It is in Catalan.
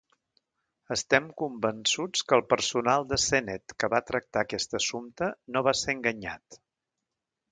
Estem convençuts que el personal de Senedd que va tractar aquest assumpte no va ser enganyat.